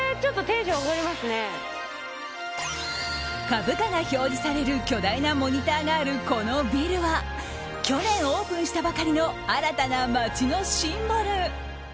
株価が表示される巨大なモニターがあるこのビルは去年オープンしたばかりの新たな街のシンボル。